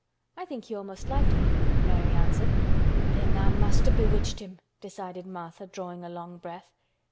"I think he almost liked me," Mary answered. "Then tha' must have bewitched him!" decided Martha, drawing a long breath.